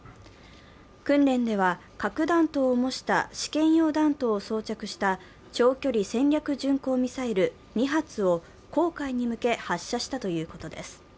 訓練では、核弾頭を模した試験用弾頭を装着した長距離戦略巡航ミサイル２発を黄海に向け発射したということです。